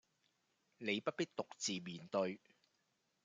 你不必獨自面對